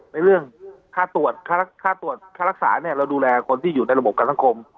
ในเรื่องค่าตรวจค่าตรวจค่ารักษาเนี่ยเราดูแลคนที่อยู่ในระบบกับสังคม